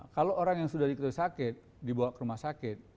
kalau orang yang sudah diketahui sakit dibawa ke rumah sakit